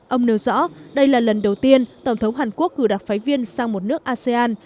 ông nêu rõ đây là lần đầu tiên tổng thống hàn quốc cử đặc phái viên sang một nước asean